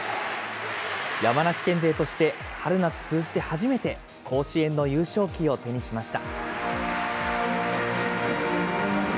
山梨県勢として春夏通じて初めて、甲子園の優勝旗を手にしました。